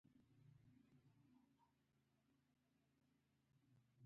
ما فکر کوه چې ځای بدل کړم له ياده به مې ووځي